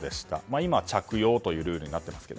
今、着用というルールになっているんですけど。